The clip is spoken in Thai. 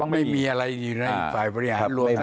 ไม่มีอะไรอยู่ในฝ่ายบริหารรวม